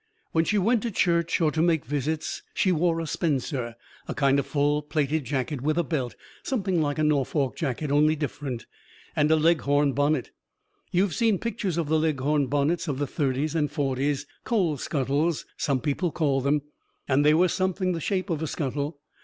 When she went to church or to make visits she wore a spencer, a kind of full plaited jacket with a belt, something like a Norfolk jacket only different! and a Leghorn bonnet. You have seen pictures of the Leghorn bonnets of the Thirties and Forties; "coal scuttles," some people called them, and they were something the shape of a scuttle.